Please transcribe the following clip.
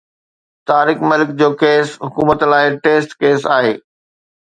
Tariq Malik case ڪيس حڪومت لاءِ ٽيسٽ ڪيس آهي.